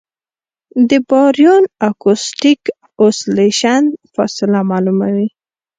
د باریون اکوسټک اوسیلیشن فاصله معلوموي.